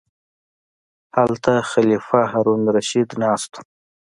هلته خلیفه هارون الرشید ناست و.